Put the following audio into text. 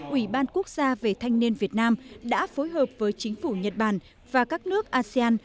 ủy ban quốc gia về thanh niên việt nam đã phối hợp với chính phủ nhật bản và các nước asean